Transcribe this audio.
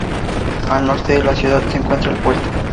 Al norte de la ciudad se encuentra el puerto.